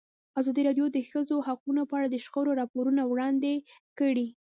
ازادي راډیو د د ښځو حقونه په اړه د شخړو راپورونه وړاندې کړي.